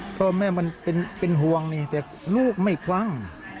พ่อแม่มันเป็นห่วงนี่แต่ลูกไม่ฟัง